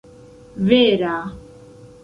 vera